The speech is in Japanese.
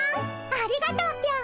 ありがとうぴょん。